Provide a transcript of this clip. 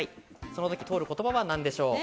その時、通る言葉は何でしょう？